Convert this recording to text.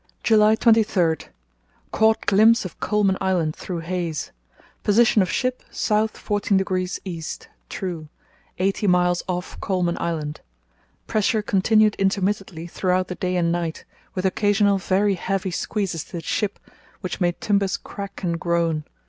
"July 23.—Caught glimpse of Coulman Island through haze. Position of ship south 14° east (true), eighty miles off Coulman Island. Pressure continued intermittently throughout the day and night, with occasional very heavy squeezes to the ship which made timbers crack and groan.